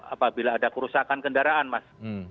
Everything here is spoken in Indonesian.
apabila ada kerusakan kendaraan mas